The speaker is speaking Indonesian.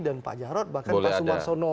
dan pak jarot bahkan pak sumat sono